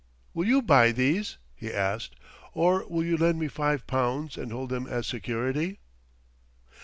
"Will you buy these?" he asked. "Or will you lend me five pounds and hold them as security?"